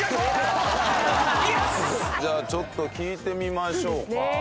じゃあちょっと聞いてみましょうか。